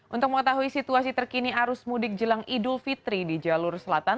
untuk mengetahui situasi terkini arus mudik jelang idul fitri di jalur selatan